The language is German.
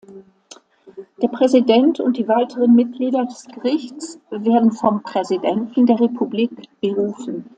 Der Präsident und die weiteren Mitglieder des Gerichts werden vom Präsidenten der Republik berufen.